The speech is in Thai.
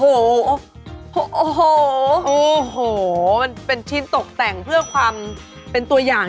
โอ้โหโอ้โหมันเป็นชิ้นตกแต่งเพื่อความเป็นตัวอย่าง